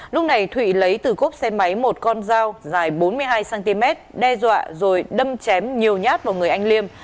lúc này thụy lấy từ cốp xe máy một con dao dài bốn mươi hai cm đe dọa rồi đâm chém nhiều nhát vào người anh liêm